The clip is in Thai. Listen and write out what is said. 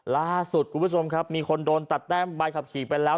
ระสุทธิ์ครับมีคนโดนตัดแต่มใบขับขี่ไปแล้ว